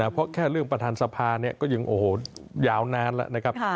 เพราะแค่เรื่องประธานสภาก็ยังโอ้โหยาวนานแล้วนะครับ